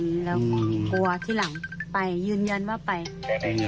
แล้วก็จะยืนยันจะไม่อยู่แล้ว